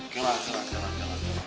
selamat selamat selamat